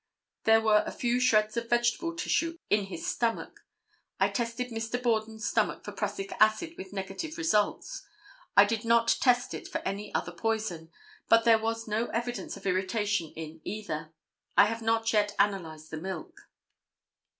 There were a few shreds of vegetable tissue in his stomach. I tested Mr. Borden's stomach for prussic acid with negative results. I did not test it for any other poison, but there was no evidence of irritation in either. I have not yet analyzed the milk."